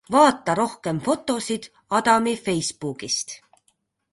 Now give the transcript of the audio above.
Vaata rohkem fotosid Adami Facebookist.